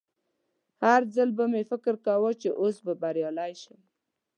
هر ځل به مې فکر کاوه چې اوس به بریالی شم